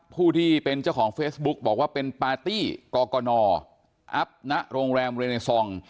ผู้ที่เป็นเจ้าของเฟซบุ๊กบอกว่าเป็นปาร์ตี้กนอัพณโรงแรมเรเนซอง